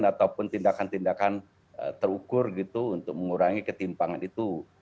ataupun tindakan tindakan terukur gitu untuk mengurangi ketimpangan itu